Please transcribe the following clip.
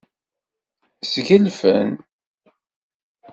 Sgelfen.